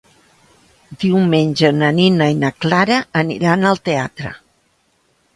Diumenge na Nina i na Clara aniran al teatre.